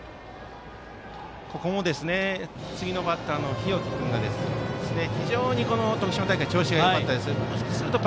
ここも次のバッターの日岡君が非常に徳島大会調子がよかったですね。